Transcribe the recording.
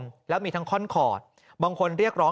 กรุงเทพฯมหานครทำไปแล้วนะครับ